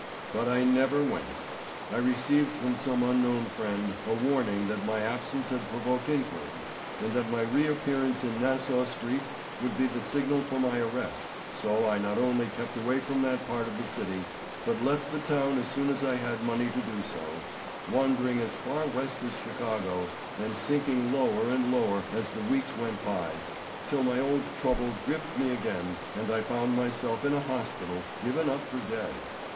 But I never went. I received from some unknown friend a warning that my absence had provoked inquiry, and that my reappearance in Nassau street would be the signal for my arrest, so I not only kept away from that part of the city, but left the town as soon as I had money to do so, wandering as far west as Chicago and sinking lower and lower as the weeks went by, till my old trouble gripped me again and I found myself in a hospital, given up for dead.